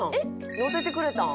のせてくれたん？